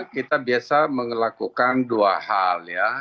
kita biasa melakukan dua hal ya